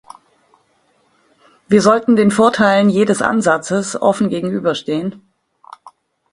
Wir sollten den Vorteilen jedes Ansatzes offen gegenüberstehen.